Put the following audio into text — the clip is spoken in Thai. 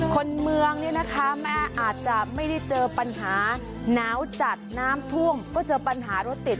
คนเมืองเนี่ยนะคะแม่อาจจะไม่ได้เจอปัญหาหนาวจัดน้ำท่วมก็เจอปัญหารถติด